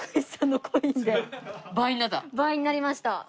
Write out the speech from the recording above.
倍になりました。